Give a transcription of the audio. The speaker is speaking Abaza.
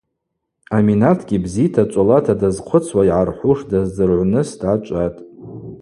Аминатгьи бзита, цӏолата дазхъвыцуа йгӏархӏвуш даздзыргӏвныс дгӏачӏватӏ.